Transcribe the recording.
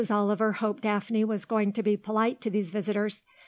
Oliver hoped Daphne was going to be polite to these visitors.